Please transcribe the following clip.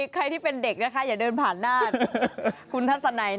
หยิบให้หน่อยสักหนึ่งไป